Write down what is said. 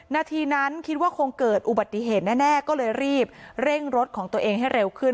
นาทีนั้นคิดว่าคงเกิดอุบัติเหตุแน่ก็เลยรีบเร่งรถของตัวเองให้เร็วขึ้น